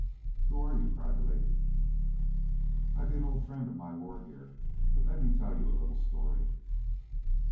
"Who are you?" cried the lady. "I be an old friend of My Lord, here; but let me tell you a little story.